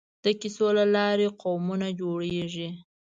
د کیسو له لارې قومونه جوړېږي.